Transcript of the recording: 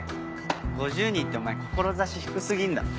５０人ってお前志低過ぎんだろ。